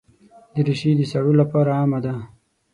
دریشي د سړو لپاره عامه ده.